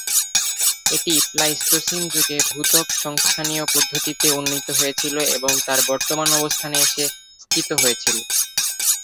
এটি প্লাইস্টোসিন যুগে ভূত্বক সংস্থানীয় পদ্ধতিতে উন্নীত হয়েছিল এবং তার বর্তমান অবস্থানে এসে স্থিত হয়েছিল।